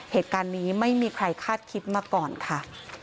เหตุการณ์นี้ไม่มีใครคาดคิดมาก่อนค่ะ